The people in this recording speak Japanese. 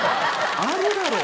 あるだろう。